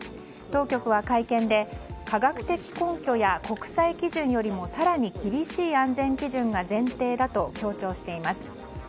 当局は会見で科学的根拠や国際基準よりも更に厳しい安全基準が前提だと強調しています。